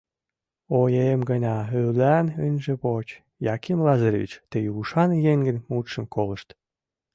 Оем гына ӱлан ынже воч, Яким Лазаревич, тый ушан еҥын мутшым колышт.